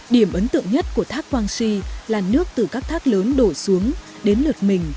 điểm ấn tượng nhất của thác quang si là nước từ các thác lớn đổ xuống đến lượt mình